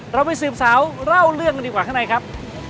เราไปสืบสาวเล่าเรื่องกันดีกว่าข้างในครับ